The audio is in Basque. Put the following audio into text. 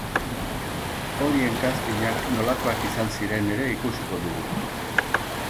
Horien castingak nolakoak izan ziren ere ikusiko dugu.